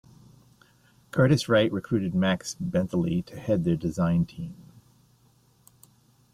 Curtiss-Wright recruited Max Bentele to head their design team.